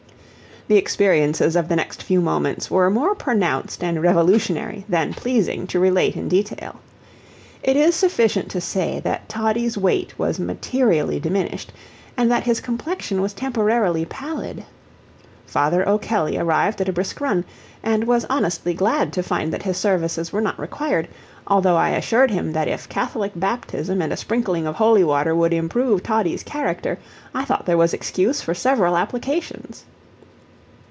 The experiences of the next few moments were more pronounced and revolutionary than pleasing to relate in detail. It is sufficient to say that Toddie's weight was materially diminished, and that his complexion was temporarily pallid. Father O'Kelley arrived at a brisk run, and was honestly glad to find that his services were not required, although I assured him that if Catholic baptism and a sprinkling of holy water would improve Toddie's character, I thought there was excuse for several applications.